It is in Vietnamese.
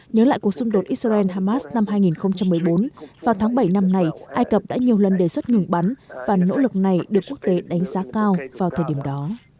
nhớ lại cuộc xung đột israel hamas năm hai nghìn một mươi bốn vào tháng bảy năm nay ai cập đã nhiều lần đề xuất ngừng bắn và nỗ lực này được quốc tế đánh giá cao vào thời điểm đó